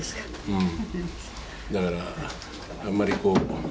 うん。